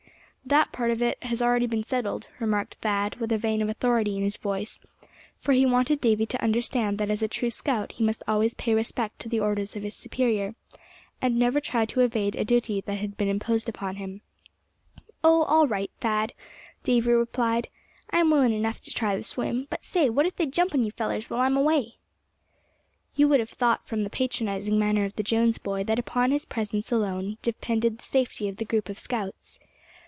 "That part of it has already been settled," remarked Thad, with a vein of authority in his voice; for he wanted Davy to understand that as a true scout, he must always pay respect to the orders of his superior, and never try to evade a duty that had been imposed upon him. "Oh! all right, Thad;" Davy replied; "I'm willin' enough to try the swim; but say, what if they jump on you fellers while I'm away?" You would have thought from the patronizing manner of the Jones boy that upon his presence alone depended the safety of the group of scouts.